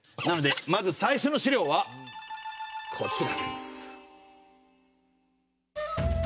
なのでまず最初の資料はこちらです。